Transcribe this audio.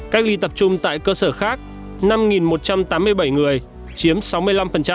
cách ly tập trung tại cơ sở khác năm một trăm tám mươi bảy người chiếm sáu mươi năm